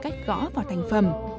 cách gõ vào thành phẩm